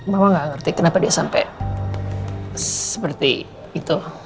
mama gak ngerti kenapa dia sampai seperti itu